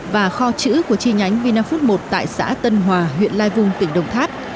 và kho chữ của chi nhánh vinafood một tại xã tân hòa huyện lai vung tỉnh đồng thát